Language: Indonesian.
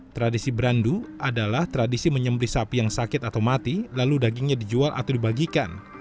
tradisi berandu adalah tradisi menyembri sapi yang sakit atau mati lalu dagingnya dijual atau dibagikan